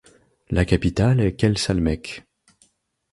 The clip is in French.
La capitale est Kelsalmecque.